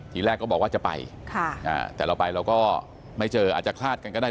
ทีแรกก็บอกว่าจะไปแต่เราไปเราก็ไม่เจออาจจะคลาดกันก็ได้